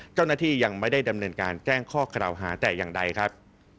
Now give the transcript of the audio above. เจ้าหน้าที่ยังไม่ได้ดำเนินการแจ้งข้อกล่าวหาแต่อย่างใดครับ